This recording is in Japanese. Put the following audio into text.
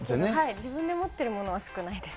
自分で持ってるものは少ないです。